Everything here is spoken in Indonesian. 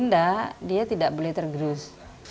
tidak dia tidak boleh tergerus